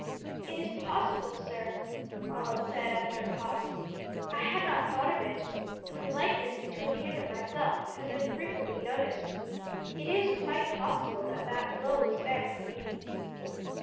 "It is possible, sir," Ronald said after a pause. "I had not thought of it; but the likeness between him and myself has been frequently noticed. It is quite possible that that blow was meant for me."